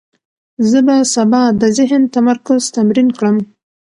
زه به سبا د ذهن تمرکز تمرین کړم.